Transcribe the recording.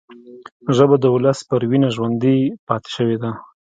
ژبه د ولس پر وینه ژوندي پاتې شوې ده